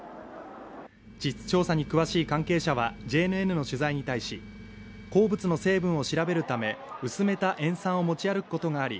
地質調査に詳しい関係者はＪＮＮの取材に対し鉱物の成分を調べるため薄めた塩酸を持ち歩くことがあり